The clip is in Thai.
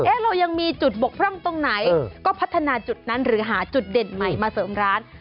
เรายังมีจุดบกพร่องตรงไหนก็พัฒนาจุดนั้นหรือหาจุดเด่นใหม่มาเสริมร้าน